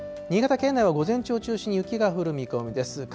新潟県内は午前中を中心に雪が降る見込みです。